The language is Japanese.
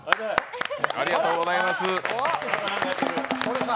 ありがとうございます。